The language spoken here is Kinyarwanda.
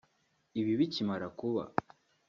Ibi bikimara kuba